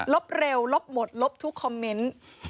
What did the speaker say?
เร็วลบหมดลบทุกคอมเมนต์